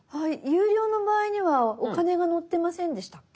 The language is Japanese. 有料の場合にはお金が載ってませんでしたっけ？